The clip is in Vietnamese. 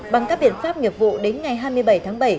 bằng các biện pháp nghiệp vụ đến ngày hai mươi bảy tháng bảy